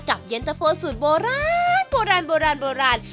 กับเย็นเตอร์โฟสูตรโบราณ